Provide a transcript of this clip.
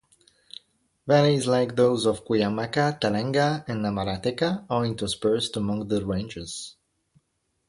Valleys, like those of Guiamaca, Talanga, and Amarateca, are interspersed among the ranges.